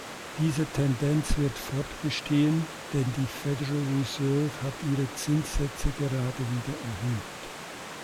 Diese Tendenz wird fortbestehen, denn die Federal Reserve hat ihre Zinssätze gerade wieder erhöht.